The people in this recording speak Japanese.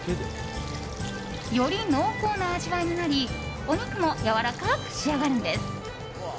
より濃厚な味わいになりお肉もやわらかく仕上がるんです。